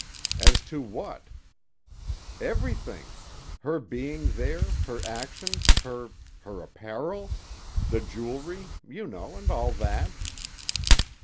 "As to what?" "Everything: her being there, her actions, her—her apparel, the jewelry, you know, and all that."